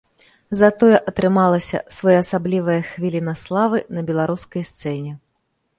Затое атрымалася своеасаблівая хвіліна славы на беларускай сцэне.